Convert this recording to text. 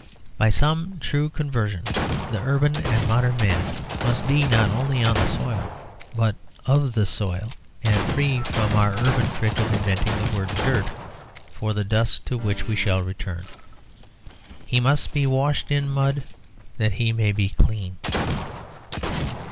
By some true conversion the urban and modern man must be not only on the soil, but of the soil, and free from our urban trick of inventing the word dirt for the dust to which we shall return. He must be washed in mud, that he may be clean.